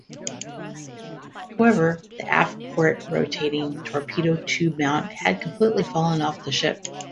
However, the aft port rotating torpedo tube mount had completely fallen off the ship.